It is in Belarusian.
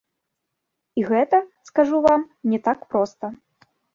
І гэта, скажу вам, не так проста.